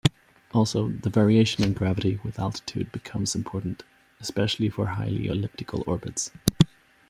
Also, the variation in gravity with altitude becomes important, especially for highly elliptical orbits.